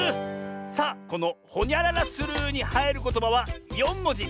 さあこの「ほにゃららする」にはいることばは４もじ。